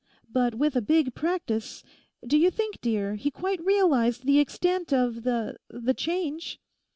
But with a big practice.... Do you think, dear, he quite realised the extent of the—the change?